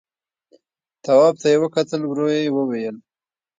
تواب ته يې وکتل، ورو يې وويل: